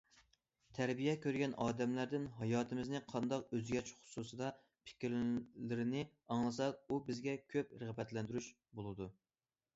تەربىيە كۆرگەن ئادەملەردىن ھاياتىمىزنى قانداق ئۆزگەرتىش خۇسۇسىدا پىكىرلىرىنى ئاڭلىساق، ئۇ بىزگە كۆپ رىغبەتلەندۈرۈش بولىدۇ.